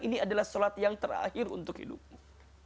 ini adalah sholat yang terakhir untuk hidupmu